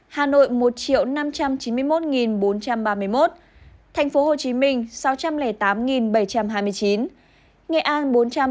hà nội một năm trăm chín mươi một bốn trăm ba mươi một tp hcm sáu trăm linh tám bảy trăm hai mươi chín nghệ an bốn trăm tám mươi hai sáu trăm ba mươi ba